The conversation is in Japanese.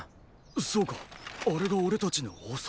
そうかあれが俺たちの王様。